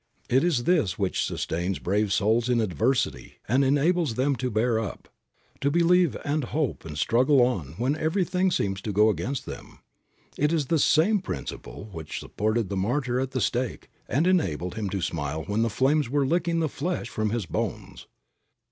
It is this which sustains brave souls in adversity and enables them to bear up, to believe and hope and struggle on when everything seems to go against them. It is the same principle which supported the martyr at the stake and enabled him to smile when the flames were licking the flesh from his bones.